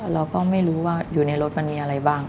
เราก็ไม่รู้ว่าอยู่ในรถมันมีอะไรบ้าง